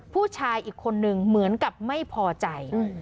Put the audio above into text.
ผู้ชายอีกคนนึงเหมือนกับไม่พอใจ